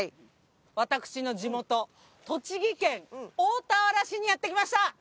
私の地元栃木県大田原市にやって来ました。